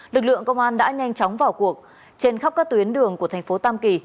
lực lượng công an đã nhanh chóng vào cuộc trên khắp các tuyến đường của thành phố tam kỳ